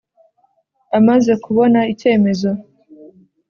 Amaze kubona icyemezo.